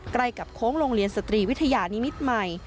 ใกล้กับโค้งโรงเรียนสตรีวิทยานิมิตรใหม่